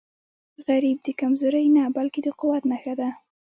غریب د کمزورۍ نه، بلکې د قوت نښه ده